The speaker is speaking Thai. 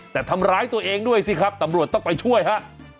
แต่ทำร้ายตัวเองด้วยสิครับตำรวจต้องไปช่วยฮะ